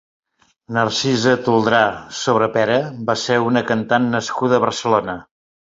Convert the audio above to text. Narcisa Toldrà Sobrepera va ser una cantant nascuda a Barcelona.